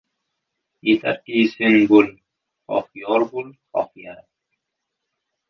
• Yetarki, sen bo‘l! Xoh yor bo‘l, xoh yara.